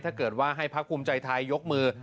ถ้าเกิดว่าให้พักภูมิใจไทยยกมือ